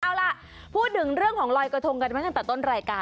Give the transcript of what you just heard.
เอาล่ะพูดถึงเรื่องของลอยกระทงกันมาตั้งแต่ต้นรายการ